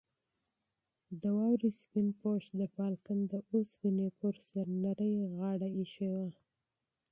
د واورې سپین پوښ د بالکن د اوسپنې پر سر نرۍ غاړه ایښې وه.